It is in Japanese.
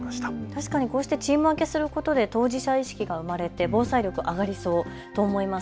確かにこうしてチーム分けをすることで当事者意識が生まれて防災力が上がりそうと思います。